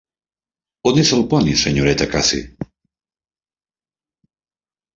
On és el poni, senyoreta Cathy?